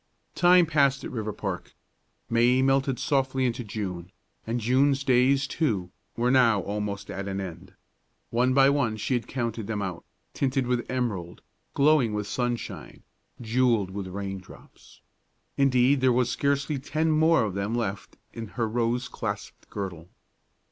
Time passed at Riverpark. May melted softly into June, and June's days, too, were now almost at an end. One by one she had counted them out, tinted with emerald, glowing with sunshine, jewelled with raindrops. Indeed, there were scarcely ten more of them left in her rose clasped girdle.